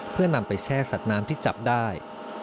เพื่อนำไปแช่สัตว์น้ำที่จับได้